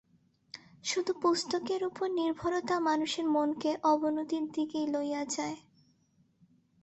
শুধু পুস্তকের উপর নির্ভরতা মানুষের মনকে অবনতির দিকেই লইয়া যায়।